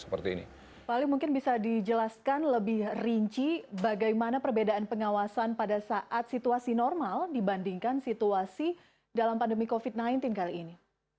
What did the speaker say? pak ali mungkin bisa dijelaskan lebih rinci bagaimana perbedaan pengawasan pada saat situasi normal dibandingkan situasi dalam pandemi covid sembilan belas kali ini